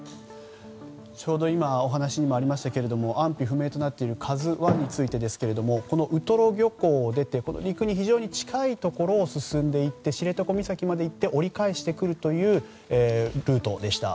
ちょうどお話にもありましたが安否不明となっている「ＫＡＺＵ１」についてですがウトロ漁港を出て陸に非常に近いところを進み知床岬まで行って折り返してくるというルートでした。